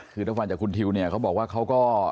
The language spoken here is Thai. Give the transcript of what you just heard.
คือถ้าฟังจากคุณทิวเนี่ยเขาบอกว่าเขาก็